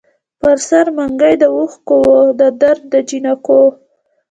پر سر منګي د اوښکـــــو وو د درد دجینکــــو